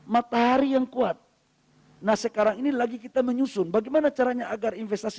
matahari yang kuat nah sekarang ini lagi kita menyusun bagaimana caranya agar investasi